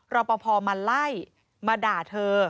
รอปภมาไล่มาด่าเธอ